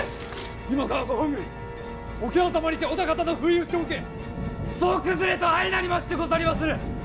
今川ご本軍桶狭間にて織田方の不意打ちを受け総崩れと相なりましてござりまする！